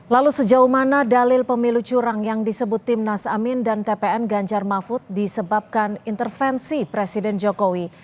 lalu sejauh mana dalil pemilu curang yang disebut timnas amin dan tpn ganjar mahfud disebabkan intervensi presiden jokowi